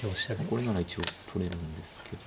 これなら一応取れるんですけど。